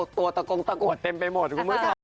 จังกงสารเลย